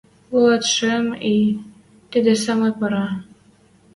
Луатшӹм и — тидӹ самой пора